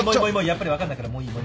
やっぱり分かんないからもういい。